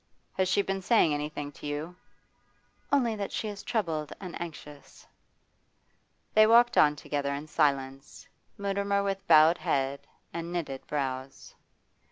'Has she been saying anything to you?' 'Only that she is troubled and anxious.' They walked on together in silence, Mutimer with bowed head and knitted brows.